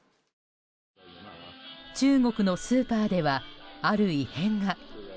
中国のスーパーではある異変が。